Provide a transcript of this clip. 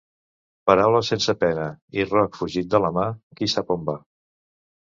Paraula sense pena i roc fugit de la mà, qui sap a on va!